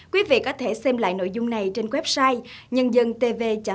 quý vị có thể xem lại nội dung này trên website